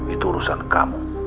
itu urusan kamu